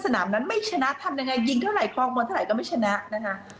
สนามนั้นไม่ชนะทำยังไงยิงเท่าไหคลองบอลเท่าไหร่ก็ไม่ชนะนะคะ